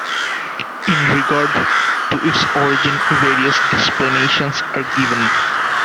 In regard to its origin, various explanations are given.